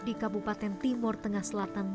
di kabupaten timur tengah selatan